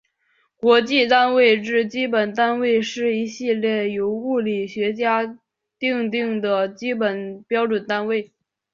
国际单位制基本单位是一系列由物理学家订定的基本标准单位。